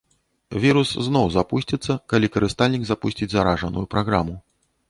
Вірус зноў запусціцца, калі карыстальнік запусціць заражаную праграму.